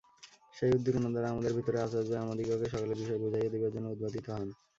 সেই উদ্দীপনা দ্বারা আমাদের ভিতরের আচার্যই আমাদিগকে সকল বিষয় বুঝাইয়া দিবার জন্য উদ্বোধিত হন।